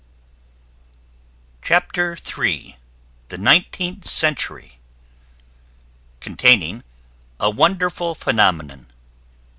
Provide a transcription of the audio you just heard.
CHAPTER THREE THE NINETEENTH CENTURY. A "WONDERFUL PHENOMENON."